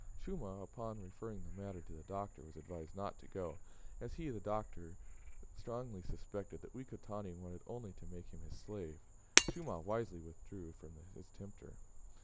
Chumah, upon referring the matter to the Doctor, was advised not to go, as he (the Doctor) strongly suspected that Wekotani wanted only to make him his slave. Chumah wisely withdrew from his tempter.